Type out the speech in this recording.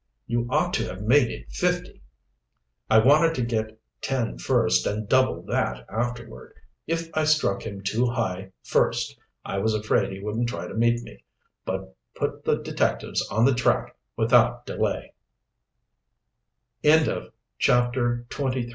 "You ought to have made it fifty." "I wanted to get ten first and double that afterward. If I struck him too high first I was afraid he wouldn't try to meet me, but put the detectives on the track without delay." CHAPTER XXIV. AN ENCOUNTER IN THE DARK.